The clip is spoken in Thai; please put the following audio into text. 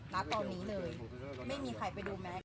ณตอนนี้เลยไม่มีใครไปดูแม็กซ